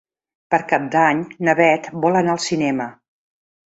Per Cap d'Any na Beth vol anar al cinema.